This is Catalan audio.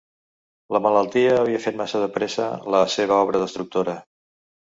La malaltia havia fet massa de pressa la seva obra destructora…